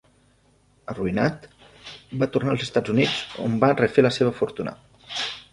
Arruïnat, va tornar als Estats Units, on va refer la seva fortuna.